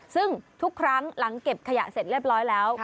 ซึ่งทุกครั้งหลังเก็บขยะเสร็จเรียบร้อยแล้ว